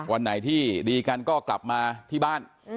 วันไหนที่ดีกันก็กลับมาที่บ้าน